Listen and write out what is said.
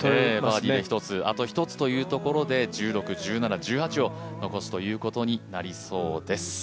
あと１つというところで１６、１７、１８を残すということになりそうです。